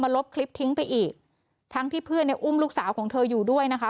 ลบคลิปทิ้งไปอีกทั้งที่เพื่อนเนี่ยอุ้มลูกสาวของเธออยู่ด้วยนะคะ